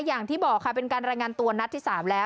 อย่างที่บอกค่ะเป็นการรายงานตัวนัดที่๓แล้ว